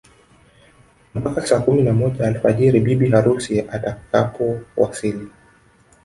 Mpaka saa kumi na moja alfajiri bibi harusi atakapowasili